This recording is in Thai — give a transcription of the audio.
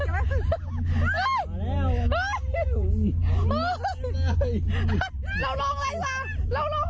เราลองไงส้า